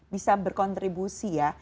bisa berkontribusi ya